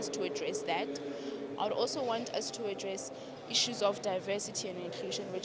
saya juga ingin memberi penyelenggaraan masalah diversitas dan keuntungan